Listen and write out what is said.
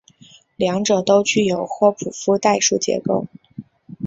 两者都具有霍普夫代数结构。